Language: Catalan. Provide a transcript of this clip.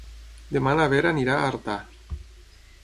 Demà na Vera anirà a Artà.